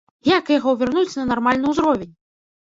Як яго вярнуць на нармальны ўзровень?